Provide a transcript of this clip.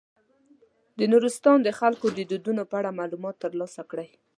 د نورستان د خلکو د دودونو په اړه معلومات تر لاسه کړئ.